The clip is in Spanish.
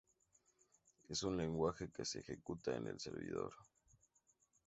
Es un lenguaje que se ejecuta en el servidor.